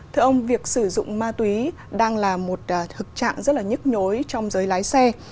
thưa ông việc sử dụng ma túy đang là một thực trạng rất là nhức nhối trong giới lái xe